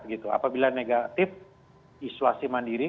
ketika tidak trip izolasi mandiri